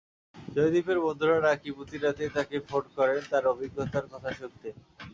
জয়দীপের বন্ধুরা নাকি প্রতি রাতেই তাঁকে ফোন করেন তাঁর অভিজ্ঞতার কথা শুনতে।